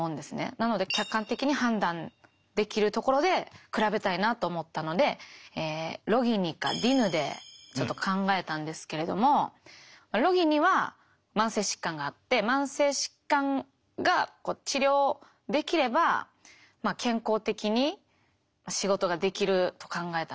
なので客観的に判断できるところで比べたいなと思ったのでロギニかディヌでちょっと考えたんですけれどもロギニは慢性疾患があって慢性疾患が治療できれば健康的に仕事ができると考えたんですね。